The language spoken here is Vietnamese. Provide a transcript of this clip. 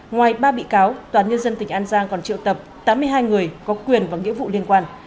ngoài ba bị cáo toán nhân dân tỉnh an giang còn triệu tập tám mươi hai người có quyền và nghĩa vụ liên quan